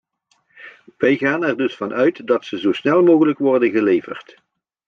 Wij gaan er dus van uit dat ze zo snel mogelijk worden geleverd.